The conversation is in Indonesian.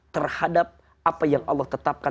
terhadap apa yang allah tetapkan